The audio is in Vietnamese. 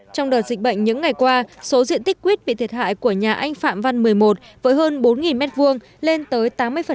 trong đợt dịch bệnh những ngày qua số diện tích quýt bị thiệt hại của nhà anh phạm văn một mươi một với hơn bốn m hai lên tới tám mươi